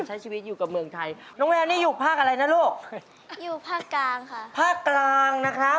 ห่างยัง